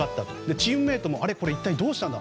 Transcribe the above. チームメートも一体どうしたんだ？